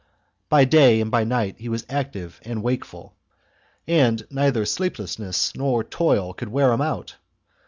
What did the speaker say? By day and by night he was active and wakeful, and neither sleeplessness or toil could wear him out.